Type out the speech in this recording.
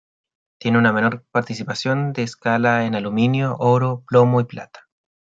Tiene una menor participación de escala en aluminio, oro, plomo y plata.